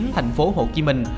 thành phố hồ chí minh